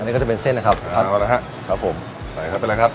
อันนี้ก็จะเป็นเส้นนะครับขอบค่ะครับผมไปละครับไปละครับ